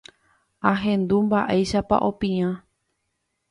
ahendu mba'éichapa opiã